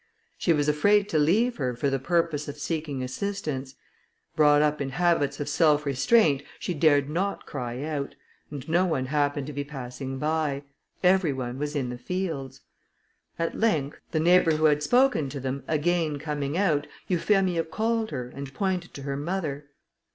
She was afraid to leave her for the purpose of seeking assistance; brought up in habits of self restraint, she dared not cry out, and no one happened to be passing by; every one was in the fields. At length, the neighbour who had spoken to them again coming out, Euphemia called her, and pointed to her mother.